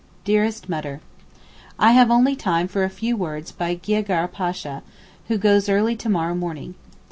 DEAREST MUTTER, I have only time for a few words by Giafar Pasha, who goes early to morrow morning.